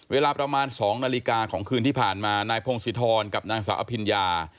เวลาประมาณ๒นาฬิกาของคืนที่ผ่านมานายพงศิธรกับนางสาวอภิญญา